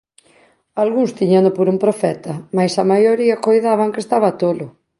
Algúns tíñano por un profeta, mais a maioría coidaban que estaba tolo.